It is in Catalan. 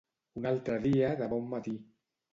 Un altre dia de bon matí.